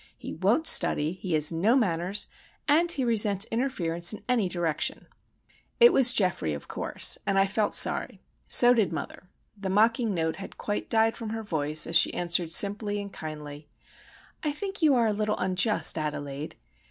He won't study, he has no manners, and he resents interference in any direction." It was Geoffrey, of course—and I felt sorry. So did mother. The mocking note had quite died from her voice, as she answered simply and kindly,— "I think you are a little unjust, Adelaide.